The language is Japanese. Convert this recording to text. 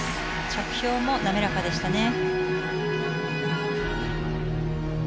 着氷も滑らかでしたね。